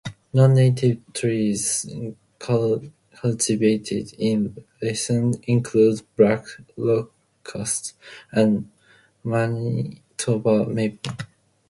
Non-native trees cultivated in Lytton include black locust and Manitoba Maple.